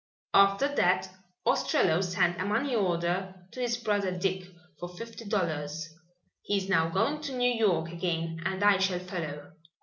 After that Ostrello sent a money order to his brother Dick for fifty dollars. He is now going to New York again and I shall follow."